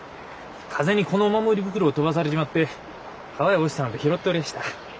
風にこのお守り袋を飛ばされちまって川へ落ちたので拾っておりました。